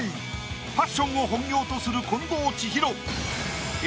ファッションを本業とする近藤千尋え